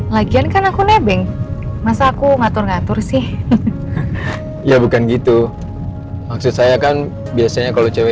lagian kan aku nebeng masa aku ngatur ngatur sih ya bukan gitu maksud saya kan biasanya kalau cewek